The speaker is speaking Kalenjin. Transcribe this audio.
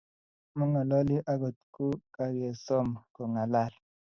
Mangalali angot ko kakesom ko ngalal